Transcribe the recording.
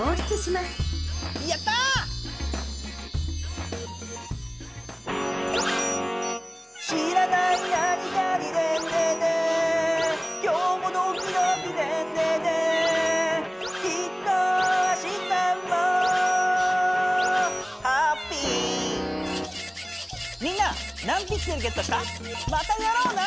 またやろうな！